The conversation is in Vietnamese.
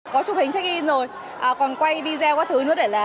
có chụp hình check in rồi còn quay video các thứ nữa